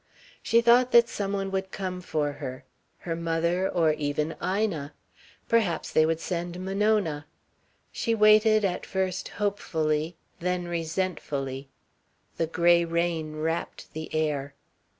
She thought that some one would come for her. Her mother or even Ina. Perhaps they would send Monona. She waited at first hopefully, then resentfully. The grey rain wrapped the air.